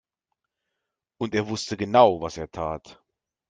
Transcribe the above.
Und er wusste genau, was er tat.